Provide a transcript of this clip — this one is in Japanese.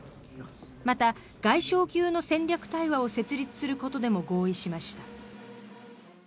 また、外相級の戦略対話を設立することでも合意しました。